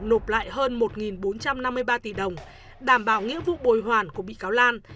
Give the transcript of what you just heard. nộp lại hơn một bốn trăm năm mươi ba tỷ đồng đảm bảo nghĩa vụ bồi hoàn của bị cáo lan